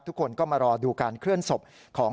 ทุกคนก็มารอดูการเคลื่อนศพของ